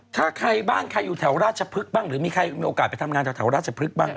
ถ้าใครบ้านใครอยู่แถวราชพฤกษ์บ้างหรือมีใครมีโอกาสไปทำงานแถวราชพฤกษบ้าง